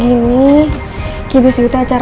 gini ki biasanya itu acara